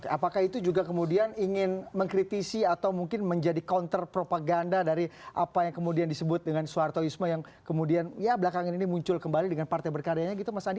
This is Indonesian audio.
apakah itu juga kemudian ingin mengkritisi atau mungkin menjadi counter propaganda dari apa yang kemudian disebut dengan soehartoisme yang kemudian ya belakangan ini muncul kembali dengan partai berkaryanya gitu mas andi